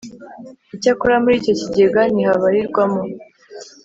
Icyakora muri icyo kigega ntihabarirwamo